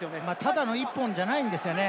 ただの１本じゃないですよね。